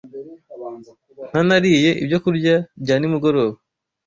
ntanariye ibyokurya bya nimugoroba